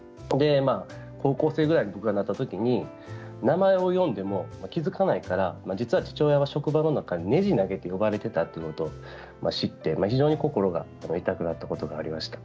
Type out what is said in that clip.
高校生くらいに僕がなったときに名前を呼んでも気付かないから実は父親は職場の中でねじを投げられて呼ばれていたということを知って非常に心が痛くなったことがありました。